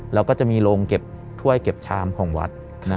แล้วก็จะมีโรงเก็บถ้วยเก็บชามของวัด